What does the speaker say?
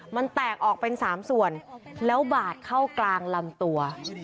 มันแตกออกเป็น๓ส่วนแล้วบาดเข้ากลางลำตัว